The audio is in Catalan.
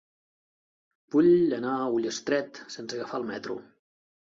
Vull anar a Ullastret sense agafar el metro.